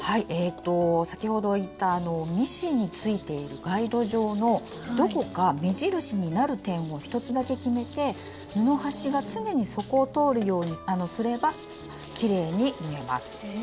先ほど言ったミシンについているガイド上のどこか目印になる点を１つだけ決めて布端が常にそこを通るようにすればきれいに縫えます。